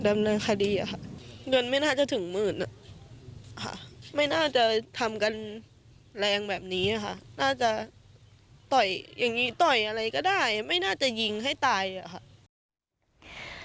ไม่น่าจะทำกันแรงแบบนี้อะค่ะน่าจะต่อยอะไรก็ได้ไม่น่าจะยิงให้ตายอะค่ะ